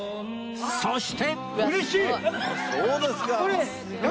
そして